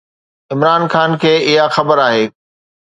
عمران خان کي اها خبر آهي.